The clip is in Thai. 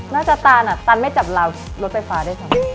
น่าจะตานอะตานไม่จับรถไฟฟ้าได้ทั้งคู่